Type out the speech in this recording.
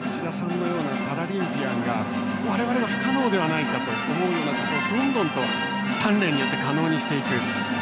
土田さんのようなパラリンピアンがわれわれには不可能ではないかということをどんどん鍛錬によって可能にしていく。